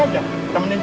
neng nanti aku nunggu